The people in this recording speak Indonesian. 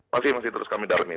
masih masih terus kami dalami